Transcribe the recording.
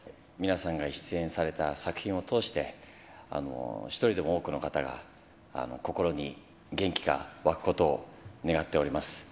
皆さんが出演された作品を通して、一人でも多くの方が、心に元気が湧くことを願っております。